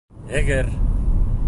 Әгәр...